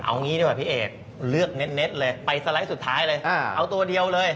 สายเลยเอาตัวเดียวเลย